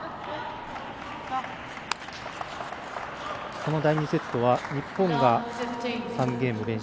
この第２セットは日本が３ゲーム連取